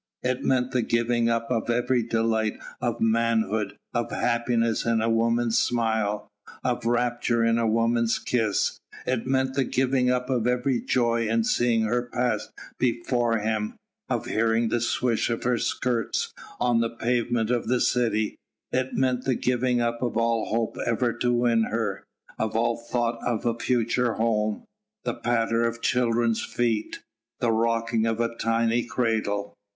It meant the giving up of every delight of manhood, of happiness in a woman's smile, of rapture in a woman's kiss. It meant the giving up of every joy in seeing her pass before him, of hearing the swish of her skirts on the pavement of the city; it meant the giving up of all hope ever to win her, of all thought of a future home, the patter of children's feet, the rocking of a tiny cradle.